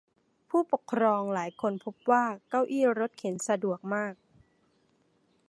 ผู้ปกครองหลายคนพบว่าเก้าอี้รถเข็นสะดวกมาก